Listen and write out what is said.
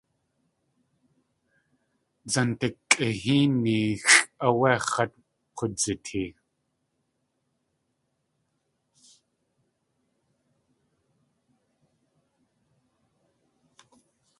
Dzántikʼi Héenixʼ áwé x̲at k̲oowdzitee.